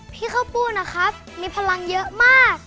พี่เขาปุ๊ดนะครับมีพลังเยอะมาก